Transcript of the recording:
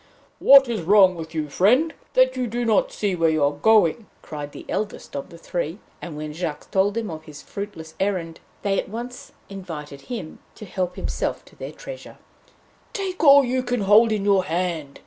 'What is wrong with you, friend, that you do not see where you are going?' cried the eldest of the three; and when Jacques told them of his fruitless errand, they at once invited him to help himself to their treasure. 'Take all you can hold in your hand!'